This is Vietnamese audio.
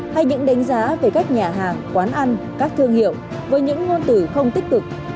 hay những đánh giá về các nhà hàng quán ăn các thương hiệu với những ngôn từ không tích cực